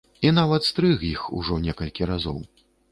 І нават стрыг іх ужо некалькі разоў.